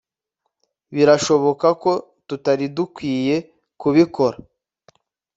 birashoboka ko tutari dukwiye kubikora